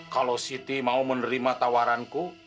kalau siti mau menerima tawaranku